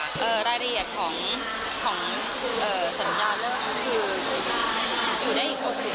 อ่ะรายละเอียดของสัญญาเรื่องนี้คืออยู่ในคน